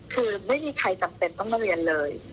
คือไม่มีใครจำเป็นต้องมาเรียนเลย